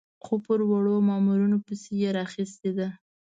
خو پر وړو مامورینو پسې یې راخیستې ده.